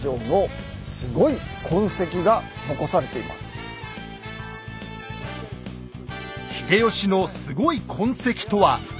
実は秀吉のすごい痕跡とは一体。